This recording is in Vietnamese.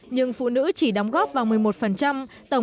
nhưng phụ nữ chỉ đóng góp vào một mươi một